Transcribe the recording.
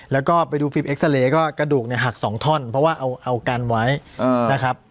แล้วก็ไปดูฟิล์เอ็กซาเรย์ก็กระดูกเนี่ยหัก๒ท่อนเพราะว่าเอากันไว้นะครับ